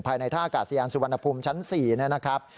ภายในท่ากาศยานสุวรรณภูมิชั้น๔นะครับ